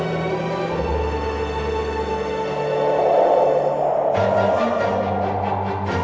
kenapa mau tanpa otot otot ruben